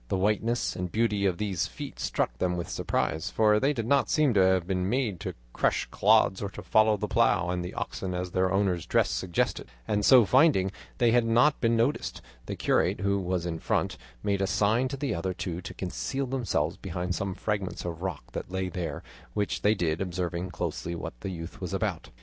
The whiteness and beauty of these feet struck them with surprise, for they did not seem to have been made to crush clods or to follow the plough and the oxen as their owner's dress suggested; and so, finding they had not been noticed, the curate, who was in front, made a sign to the other two to conceal themselves behind some fragments of rock that lay there; which they did, observing closely what the youth was about.